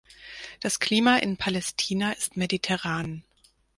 Das Klima in Palästina ist mediterran.